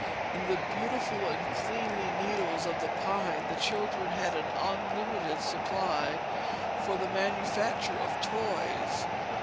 In the beautiful and cleanly needles of the pine the children had an unlimited supply for the manufacture of toys.